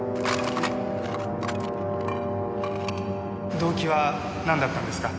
動機はなんだったんですか？